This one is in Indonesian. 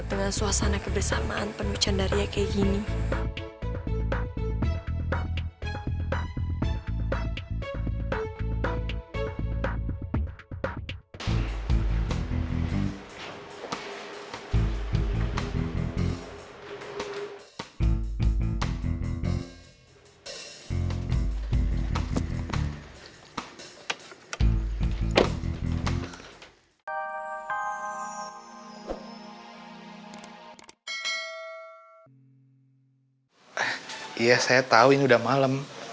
iya saya tahu ini udah malam